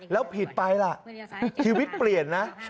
แล้วผิดไปล่ะชีวิตเปลี่ยนนะ